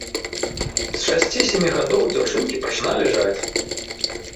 З шасці-сямі гадоў дзяўчынкі пачыналі жаць.